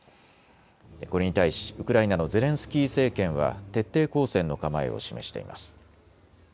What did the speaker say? これに対しウクライナのゼレンスキー政権は徹底抗戦の構えを示しています。